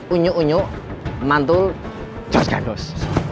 unyuk unyuk mantul jas gandus